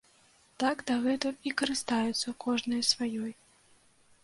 Так дагэтуль і карыстаюцца кожная сваёй.